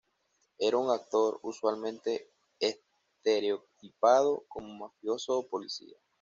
Era un actor usualmente estereotipado como mafioso o policía.